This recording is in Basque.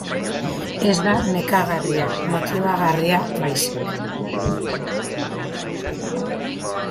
Ez da nekagarria, motibagarria baizik.